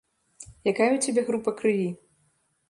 Якая ў цябе група крыві?